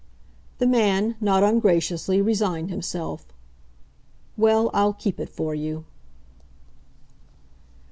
The man, not ungraciously, resigned himself. "Well, I'll keep it for you."